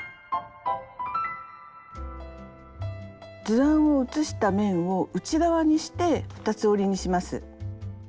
図案を写した面を内側にして二つ折りにします。